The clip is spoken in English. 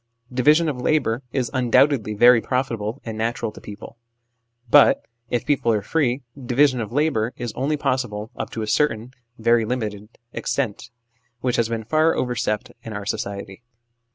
Division of labour is undoubtedly very profitable and natural to people ; but, if people are free, division of labour is only possible up to a certain, very limited, extent, which has been far overstepped in our society.